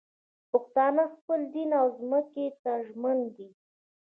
پښتانه خپل دین او ځمکې ته ژمن دي